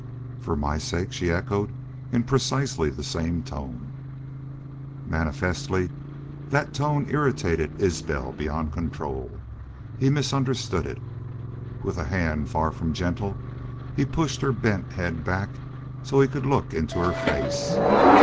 "For my sake?" she echoed, in precisely the same tone, Manifestly that tone irritated Isbel beyond control. He misunderstood it. With a hand far from gentle he pushed her bent head back so he could look into her face.